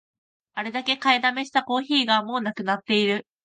あれだけ買いだめしたコーヒーがもうなくなってる